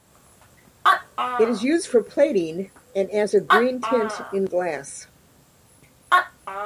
It is used for plating and as a green tint in glass.